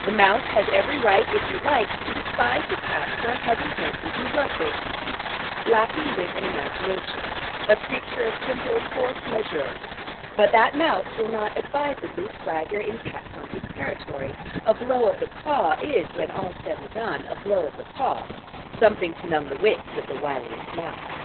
The mouse has every right, if he likes, to despise the cat for a heavy handed and bloodthirsty beast, lacking wit and imagination, a creature of simple force majeure; but that mouse will not advisedly swagger in cat haunted territory; a blow of the paw is, when all's said and done, a blow of the paw something to numb the wits of the wiliest mouse.